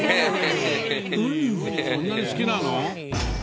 ウニそんなに好きなの？